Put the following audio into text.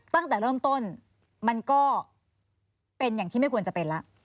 ตั้งแต่เริ่มต้นมันก็เป็นอย่างที่ไม่ควรจะเป็นแล้ว